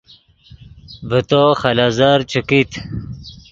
ڤے تو خلیزر چے کیت